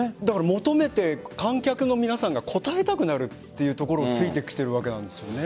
求めている観客の皆さんが答えたくなるというところを突いてきているわけなんですよね。